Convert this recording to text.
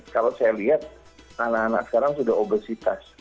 kalau saya lihat anak anak sekarang sudah obesitas